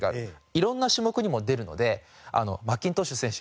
色んな種目にも出るのでマッキントッシュ選手